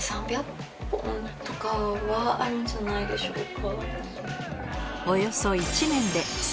とかはあるんじゃないでしょうか。